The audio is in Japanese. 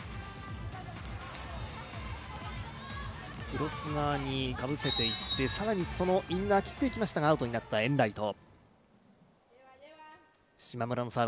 クロス側にかぶせていって、更にそのインナーを切っていきましたがアウトになったエンライト。